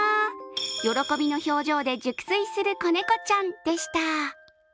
喜びの表情で熟睡する子猫ちゃんでした。